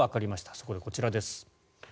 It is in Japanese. そこでこちらです。